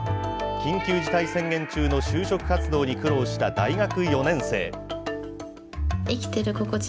緊急事態宣言中の就職活動に苦労した大学４年生。